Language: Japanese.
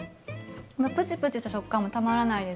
このプチプチした食感もたまらないですね。